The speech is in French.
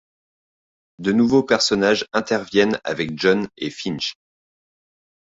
De nouveaux personnages interviennent avec John et Finch.